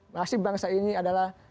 nasib bangsa ini adalah